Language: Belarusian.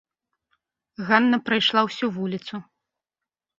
Ганна прайшла ўсю вуліцу.